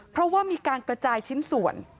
เพราะว่ามีการกระจายชิ้นส่วน